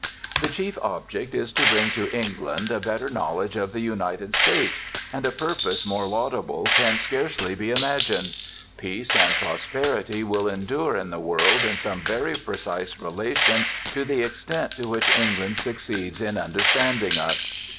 The chief object is to bring to England a better knowledge of the United States, and a purpose more laudable can scarcely be imagined. Peace and prosperity will endure in the world in some very precise relation to the extent to which England succeeds in understanding us.